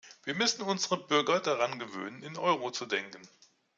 Wir müssen unsere Bürger daran gewöhnen, in "Euro" zu denken.